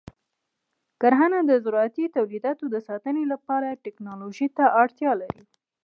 کرنه د زراعتي تولیداتو د ساتنې لپاره ټیکنالوژۍ ته اړتیا لري.